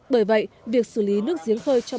bởi vậy việc xử lý nước giếng khơi cho bà lê thị tình